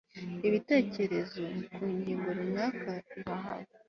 ibitekerezo ku ngingo runaka irahari